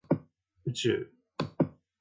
宇宙